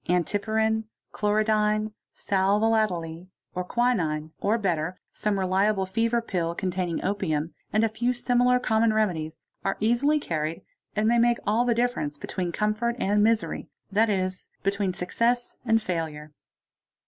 Antipyrin, chlorodyne, sal volatile, and quinine, or better some reliable fever pill containing opium, and a few similar common remedies, are easily carried and may make all the difference between comfort and misery, that is, between success and failure.